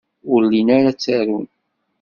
Ur llin ara ttarun.